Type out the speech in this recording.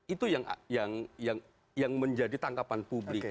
itu yang menjadi tangkapan publik